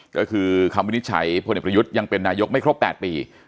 ก็คือคำวินิจฉัยพลเอกประยุทธ์ยังเป็นนายกไม่ครบ๘ปี